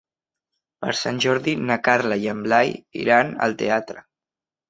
Per Sant Jordi na Carla i en Blai iran al teatre.